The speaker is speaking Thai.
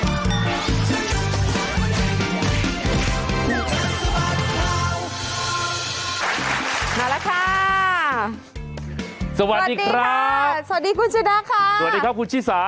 นั่นแหละครับสวัสดีครับสวัสดีคุณชุดรัฐค่ะสวัสดีครับคุณชิสา